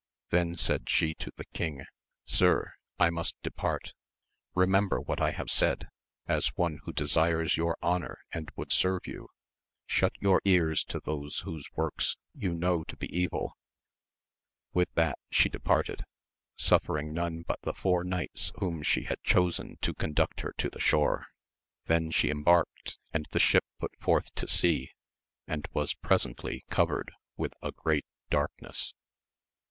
Then said she to the king, Sir, I must depart ; remember what I have said as one who desires your honour and would serve you, — shut your ears to those whose works you know to be evil ! With that she departed, sufifering none but the four knights whom fihe had chosen to conduct her to the shore ; then she embarked, and the ship put forth to sea, and was presently covered with a great darkness.